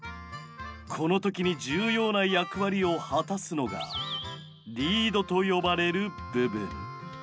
この時に重要な役割を果たすのがリードと呼ばれる部分。